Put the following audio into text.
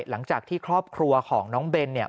หลังจากที่ครอบครัวของน้องเบนเนี่ย